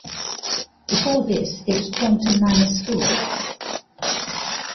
Before this it was Taunton Manor School.